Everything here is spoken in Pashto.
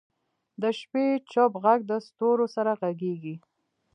د شپې چوپ ږغ د ستورو سره غږېږي.